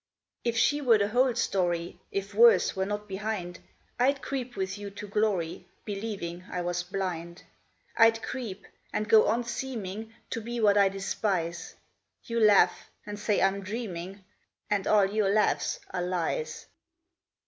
"If she were the whole story, If worse were not behind, I'd creep with you to glory, Believing I was blind; I'd creep, and go on seeming To be what I despise. You laugh, and say I'm dreaming, And all your laughs are lies.